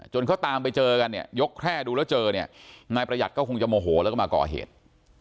เขาตามไปเจอกันเนี่ยยกแคร่ดูแล้วเจอเนี่ยนายประหยัดก็คงจะโมโหแล้วก็มาก่อเหตุ